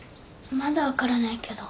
まだ分からないけど。